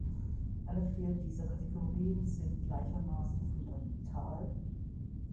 Alle vier dieser Kategorien sind gleichermaßen fundamental.